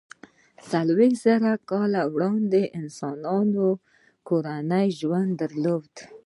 څلویښت زره کاله وړاندې انسانانو کورنی ژوند درلود.